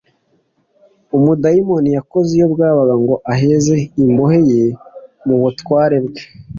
umudayimoni yakoze iyo bwabaga ngo aheze imbohe ye mu butware bwe